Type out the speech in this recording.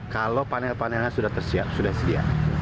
kalau panel panelnya sudah tersedia